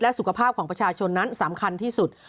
สุขภาพของประชาชนนั้นสำคัญที่สุด